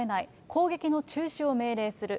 攻撃の中止を命令する。